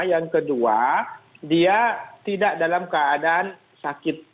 yang kedua dia tidak dalam keadaan sakit